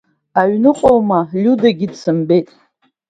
Аҩныҟа моу Лиудагьы дсымбеит.